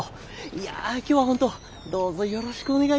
いや今日は本当どうぞよろしくお願いいたします。